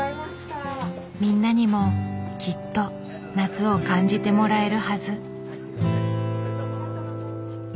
みんなにもきっと夏を感じてもらえるはず。